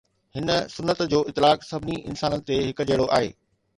هن سنت جو اطلاق سڀني انسانن تي هڪ جهڙو آهي.